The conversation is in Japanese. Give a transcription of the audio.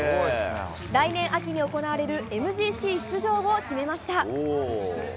来年秋に行われるＭＧＣ出場を決めました。